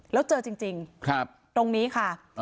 แล้วเจอจริงจริงครับตรงนี้ค่ะอ๋อ